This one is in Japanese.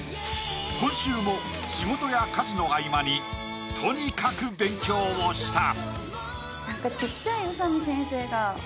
今週も仕事や家事の合間にとにかく勉強をした！